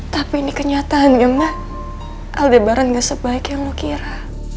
tapi ini kenyataannya mah aldebaran gak sebaik yang lu kira